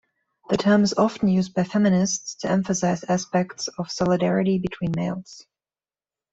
The term is often used by feminists to emphasize aspects of solidarity between males.